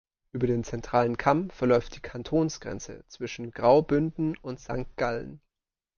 Über den zentralen Kamm verläuft die Kantonsgrenze zwischen Graubünden und Sankt Gallen.